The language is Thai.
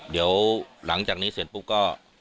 เดี๋ยวหลังจากนี้เสร็จปุ๊บก็